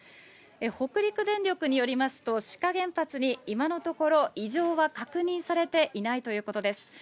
北陸電力によりますと、志賀原発に今のところ、異常は確認されていないということです。